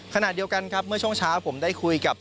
ขณะเดียวกันครับเมื่อช่วงเช้าผมได้คุยกับ